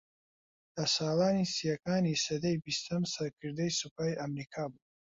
لە ساڵانی سیەکانی سەدەی بیستەم سەرکردەی سوپای ئەمریکا بووە